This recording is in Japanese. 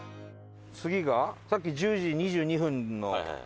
次がさっき１０時２２分の。